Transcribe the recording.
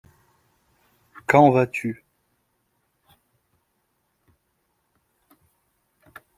Quand vas-tu ?